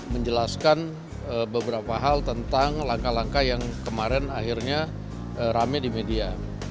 menjelaskan beberapa hal tentang langkah langkah yang kemarin akhirnya rame di media